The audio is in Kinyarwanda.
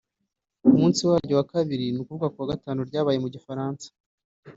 ku munsi waryo wa kabiri ni ukuvuga ku wa Gatanu ryabaye mu Gifaransa